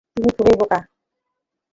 তুমি খুবই বোকা।